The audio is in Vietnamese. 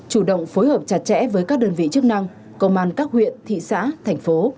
chủ động phối hợp chặt chẽ với các đơn vị chức năng công an các huyện thị xã thành phố